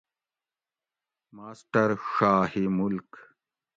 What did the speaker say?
ماسٹر ڛاھی ملک